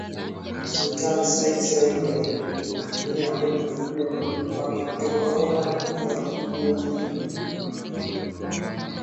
Sultani Sayyid Said alihamisha mji mkuu wake kutoka Omani kuja Unguja